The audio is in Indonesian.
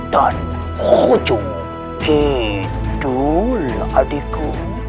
dan hujung hidul adikku